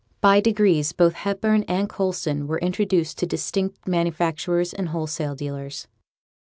By degrees both Hepburn and Coulson were introduced to distant manufacturers and wholesale dealers.